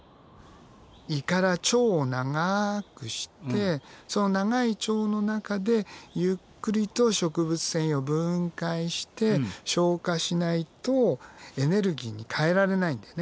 胃から腸を長くしてその長い腸の中でゆっくりと食物繊維を分解して消化しないとエネルギーに変えられないんだよね。